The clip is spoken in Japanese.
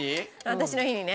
私の日にね。